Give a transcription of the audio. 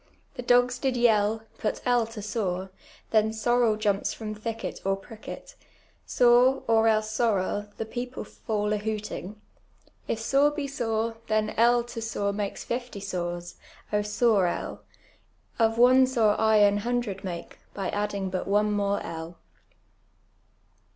The di'L's did yell ; put L to sore, then sorel jumps from thicket Or pricket, sore, or else sorel ; the people fall a hooting. If sore be .sore, llien L to sore makes fifty sores, () .sore L! Of one sore I aii hundred make, by adding but one more L."